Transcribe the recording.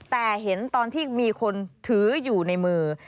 แต่เห็นตอนที่มีคนถืออยู่ในมือ